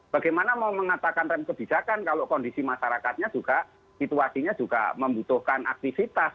bagaimana mau mengatakan rem kebijakan kalau kondisi masyarakatnya juga situasinya juga membutuhkan aktivitas